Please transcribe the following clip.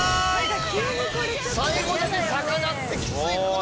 最後だけ魚ってきつくね？